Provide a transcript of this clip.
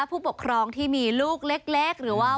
ผู้ปกครองที่มีลูกเล็กหรือว่า